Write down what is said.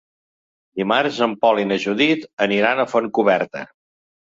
Dimarts en Pol i na Judit aniran a Fontcoberta.